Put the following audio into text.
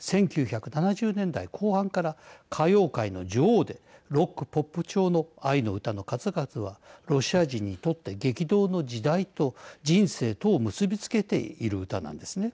１９７０年代後半から歌謡界の女王でロックポップ調の愛の歌の数々はロシア人にとって激動の時代と人生とを結び付けている歌なんですね。